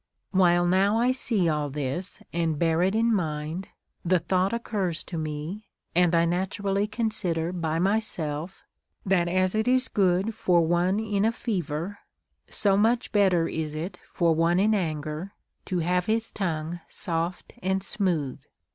7. While now I see all this and bear it in mind, the 42 CONCERNING THE CURE OF ANGER. thought occurs to me, and I naturally consider by myself, that as it is good for one in a fever, so much better is it for one in anger, to have his tongue soft and smooth.